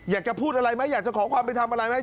อยากจะพูดอะไรไหมอยากจะขอความไปทำอะไรไหม